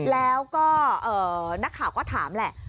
แล้วก็นักข่าวก็ถามแหละ